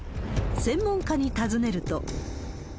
専門家に尋ねると。